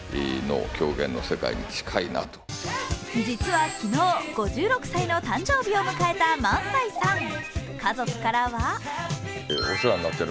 実は昨日、５６歳の誕生日を迎えた萬斎さん。